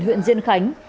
huyện diên khánh